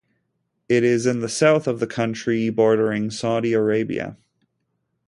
It is in the south of the country, bordering Saudi Arabia.